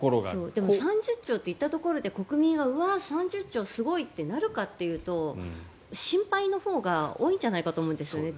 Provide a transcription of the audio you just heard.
でも３０兆といったところで国民がうわ、３０兆すごいとなるかというと心配のほうが多いんじゃないかと思うんですよね。